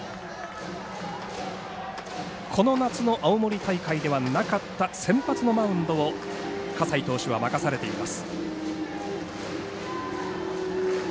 この夏の青森大会ではなかった先発のマウンドを葛西投手は任されています。